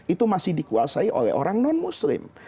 itu masih dikuasai oleh orang non muslim